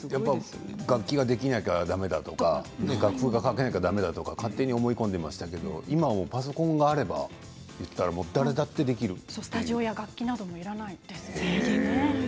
楽器ができなきゃだめとか楽譜が書けなきゃだめだとか勝手に思い込んでましたが今はパソコンがあればスタジオや楽器もいらないですね。